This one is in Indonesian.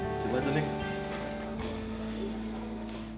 coba tuh neng